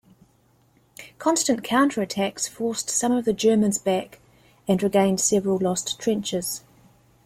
Constant counter-attacks forced some of the Germans back and regained several lost trenches.